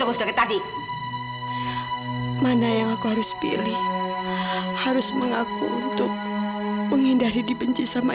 yang cemas lagi tadi mana yang harus pilih harus mengaku untuk menghindari dibenci sama